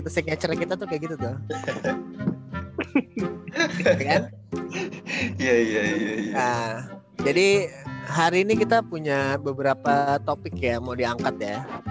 signature kita tuh kayak gitu tuh jadi hari ini kita punya beberapa topik ya mau diangkat ya